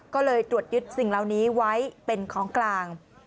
ก็เลยตรวจยึดสิ่งเหล่านี้ไว้เป็นของกลาง